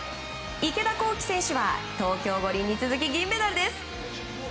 池田向希選手は東京五輪に続き銀メダルです。